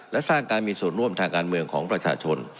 และสร้างการมีส่วนร่วมทางการเมืองของประชาชน